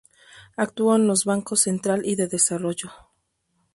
Actuó en los bancos Central y de Desarrollo.